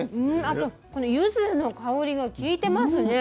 あとこのゆずの香りがきいてますね。